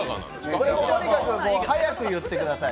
とにかく早く言ってください。